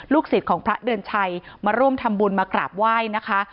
สิทธิ์ของพระเดือนชัยมาร่วมทำบุญมากราบไหว้นะคะ